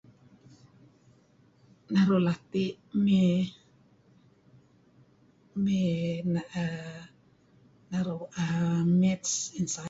Naru' lati' mey... mey err... err... naru' mats...